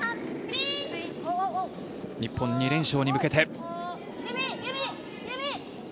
日本、２連勝に向けて。